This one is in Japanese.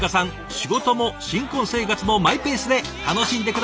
仕事も新婚生活もマイペースで楽しんで下さいね。